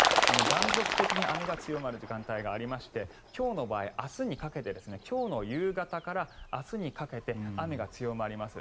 断続的に雨が強まる時間帯がありまして今日の場合今日の夕方から明日にかけて雨が強まります。